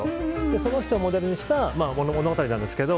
その人をモデルにした物語なんですけど